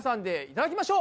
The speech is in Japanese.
いただきます！